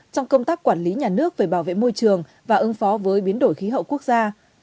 trong công tác quản lý nhà nước về bảo vệ môi trường và ứng phó với biến đổi khí hậu quốc gia